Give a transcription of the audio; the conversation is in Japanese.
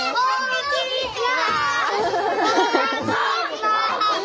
こんにちは！